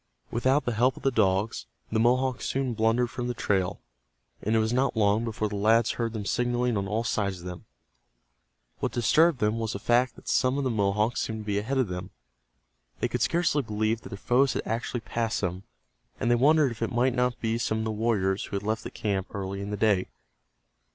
Without the help of the dogs the Mohawks soon blundered from the trail, and it was not long before the lads heard them signaling on all sides of them. What disturbed them was the fact that some of the Mohawks seemed to be ahead of them. They could scarcely believe that their foes had actually passed them, and they wondered if it might not be some of the warriors who had left the camp early in the day.